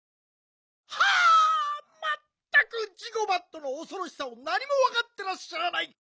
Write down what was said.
はあまったくジゴバットのおそろしさをなにもわかってらっしゃらない！